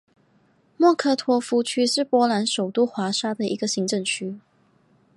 莫科托夫区是波兰首都华沙的一个行政区。